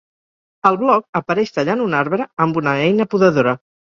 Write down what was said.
Al bloc apareix tallant un arbre amb una eina podadora.